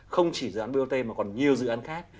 không chỉ dự án bot mà còn nhiều dự án khác